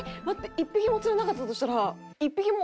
１匹も釣れなかったとしたら１匹も。